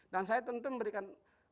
dan saya tentu memberikan